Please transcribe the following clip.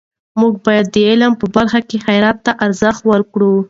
موږ باید د علم په برخه کې خیرات ته ارزښت ورکړو.